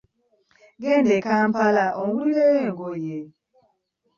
Genda e Kampala ongulireyo engoye.